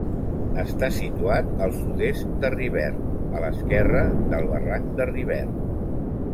Està situat al sud-est de Rivert, a l'esquerra del barranc de Rivert.